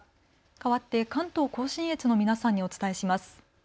かわって関東甲信越の皆さんにお伝えします。